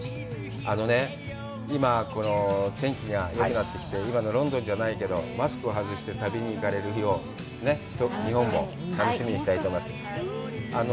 あのね、今、天気がよくなってきて、今のロンドンじゃないけど、マスクを外して旅に行かれる日を日本も楽しみにしたいと思います。